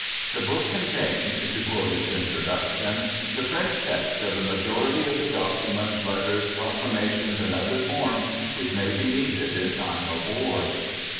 The book contains, to quote its introduction, "the French text of the majority of the documents, letters, proclamations and other forms which may be needed in time of war."